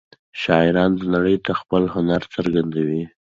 شاعران نړۍ ته خپل هنر څرګندوي.